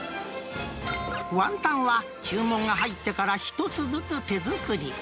ワンタンは、注文が入ってから１つずつ手作り。